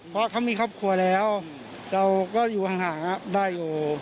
เพราะเขามีครอบครัวแล้วเราก็อยู่ห่างได้อยู่